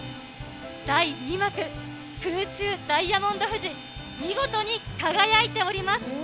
第２幕、空中ダイヤモンド富士、見事に輝いております。